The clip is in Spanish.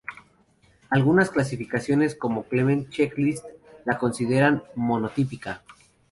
Algunas clasificaciones, como Clements checklist, la consideran monotípica.